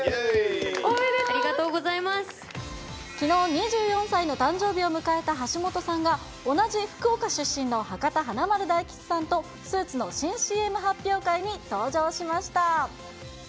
きのう、２４歳の誕生日を迎えた橋本さんが、同じ福岡出身の博多華丸・大吉さんとスーツの新ＣＭ発表会に登場しました。